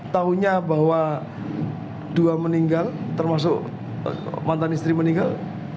tahunya bahwa dua meninggal termasuk mantan istri meninggal